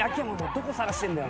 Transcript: どこ捜してんだよ。